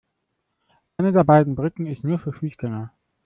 Eine der beiden Brücken ist nur für Fußgänger.